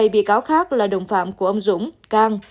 một mươi bảy bị cáo khác là đồng phạm của ông dũng cang